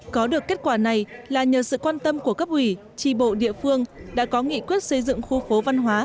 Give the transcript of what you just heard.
có được kết quả này là nhờ sự quan tâm của cấp ủy trì bộ địa phương đã có nghị quyết xây dựng khu phố văn hóa